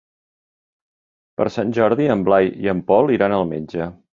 Per Sant Jordi en Blai i en Pol iran al metge.